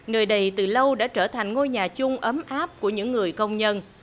nơi đây từ lâu đã trở thành ngôi nhà chung ấm áp của những người công nhân